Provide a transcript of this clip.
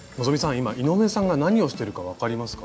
今井上さんが何をしてるか分かりますか？